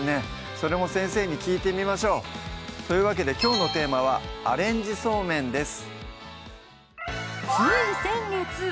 それも先生に聞いてみましょうというわけできょうのテーマは「アレンジそうめん」です